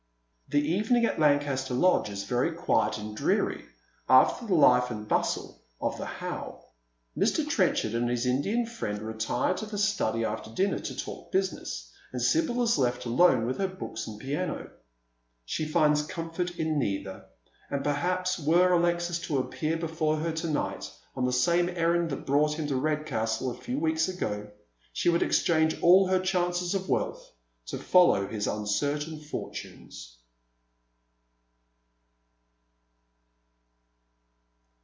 The evening at Lancaster Lodge is very quiet and dreary after the ^..^8 Comes to Grief. 219 Hfe and bustle of the How. Mr. Trenchardand his Indian friend retire to the study after dinner to talk business, and Sibyl is left alone with her books and piano. She finds comfort in neither, and perhaps, were Alexis to appear before her to night on tho same errand that brought him to Redcastle a few weeks ago, she would exchange all her chances of wealth to follow his uncertain foitunes.